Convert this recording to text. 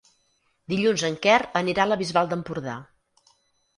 Dilluns en Quer anirà a la Bisbal d'Empordà.